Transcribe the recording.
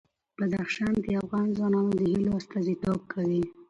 بدخشان د افغان ځوانانو د هیلو استازیتوب کوي.